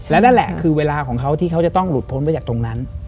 และนั่นแหละคือเวลาของเขาที่เขาจะต้องหลุดพ้นไปจากตรงนั้น